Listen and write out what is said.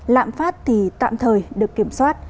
lạm phát thì tạm thời được kiểm soát